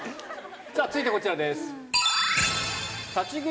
続いてこちらです。